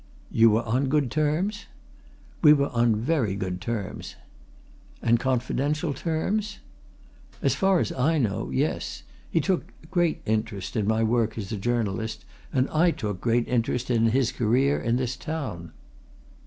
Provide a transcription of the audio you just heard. "You were on good terms?" "We were on very good terms." "And confidential terms?" "As far as I know yes. He took great interest in my work as a journalist, and I took great interest in his career in this town."